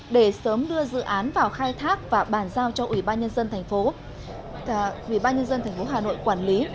để sớm đưa dự án vào khai thác và bàn giao cho ủy ban nhân dân thành phố hà nội quản lý